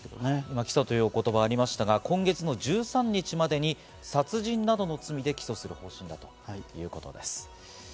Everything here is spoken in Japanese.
起訴ということもありましたが、今月１３日までに殺人などの罪で起訴する方針だということです。